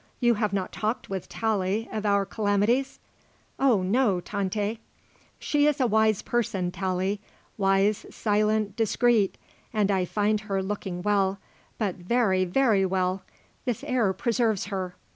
You have not talked with Tallie of our calamities?" "Oh, no, Tante." "She is a wise person, Tallie; wise, silent, discreet. And I find her looking well; but very, very well; this air preserves her.